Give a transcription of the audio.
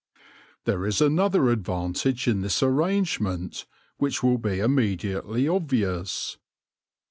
There is another advantage in this arrangement which will be immediately obvious.